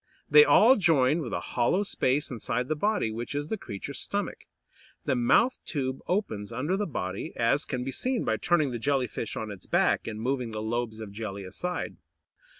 They all join with a hollow space inside the body, which is the creature's stomach. The mouth tube opens under the body, as can be seen by turning the Jelly fish on its back, and moving the lobes of jelly aside.